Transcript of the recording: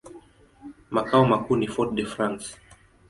Makao makuu ni Fort-de-France.